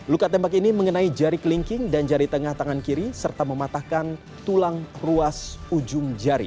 luka tembak ini mengenai jari kelingking dan jari tengah tangan kiri serta mematahkan tulang ruas ujung jari